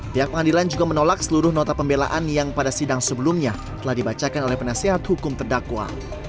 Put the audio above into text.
pihak pengadilan juga menolak seluruh nota pembelaan yang pada sidang sebelumnya telah dibacakan oleh penasehat hukum terdakwa